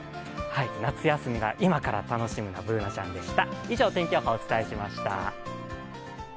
夏休みが今から楽しみなＢｏｏｎａちゃんでした。